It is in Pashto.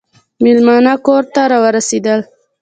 مېلمانه کور ته راورسېدل .